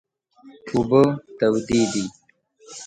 اوبه تودې دي